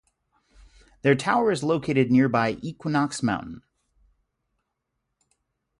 Their tower is located on nearby Equinox Mountain.